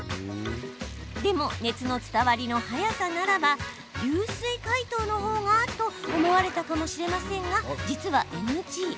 でも、熱の伝わりの早さならば流水解凍のほうがと思われたかもしれませんが実はＮＧ。